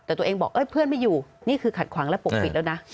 แต่ตัวเองบอกเพื่อนไม่อยู่นี่คือขัดขวางและปกปิดแล้วนะ